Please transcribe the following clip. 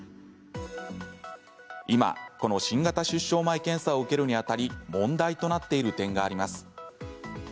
今、この新型出生前検査を受けるにあたり問題となっている点があります。